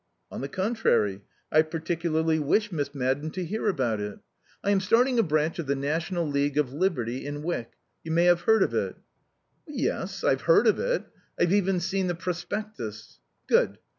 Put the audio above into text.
"On the contrary, I particularly wish Miss Madden to hear about it. I am starting a branch of the National League of Liberty in Wyck. You may have heard of it?" "Yes. I've heard of it. I've even seen the prospectus." "Good.